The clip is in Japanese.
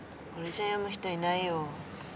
これじゃ読む人いないよ。